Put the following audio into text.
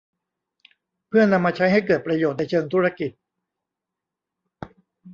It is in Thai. เพื่อนำมาใช้ให้เกิดประโยชน์ในเชิงธุรกิจ